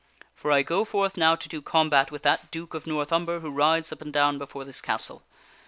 For I go forth now to do combat with that Duke of North Umber who rides up and down before this castle.